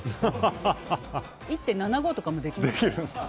１．７５とかもできますよ。